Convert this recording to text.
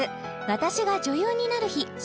『私が女優になる日』